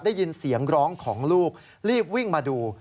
ได้ยินเสียงร้องของลูกรีบวิ่งมาดู